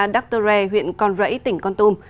đắc tơ re huyện con rẫy tỉnh con tôm